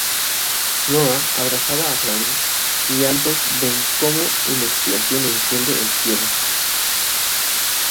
Noah abraza a Claire y ambos ven como una explosión enciende el cielo.